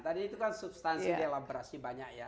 tadi itu kan substansi di elaborasi banyak ya